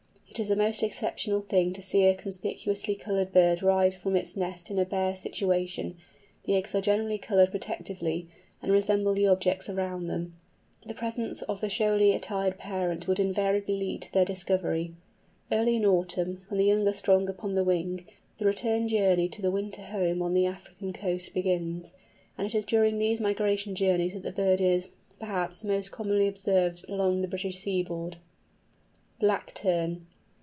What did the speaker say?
It is a most exceptional thing to see a conspicuously coloured bird rise from its nest in a bare situation; the eggs are generally coloured protectively, and resemble the objects around them; the presence of the showily attired parent would inevitably lead to their discovery. Early in autumn, when the young are strong upon the wing, the return journey to the winter home on the African coast begins, and it is during these migration journeys that the bird is, perhaps, most commonly observed along the British seaboard. BLACK TERN.